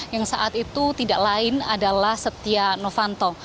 yang saat itu tidak lain adalah setia novanto